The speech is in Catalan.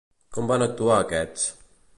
Com van actuar aquests?